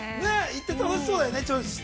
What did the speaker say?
◆行って、楽しそうだよね。